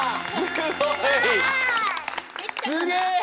すげえ！